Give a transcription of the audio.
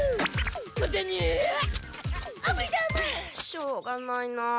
しょうがないなあ。